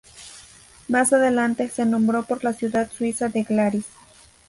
Más adelante se nombró por la ciudad suiza de Glaris.